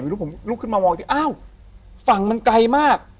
ลูกผมลุกขึ้นมามองที่อ้าวฝั่งมันไกลมาก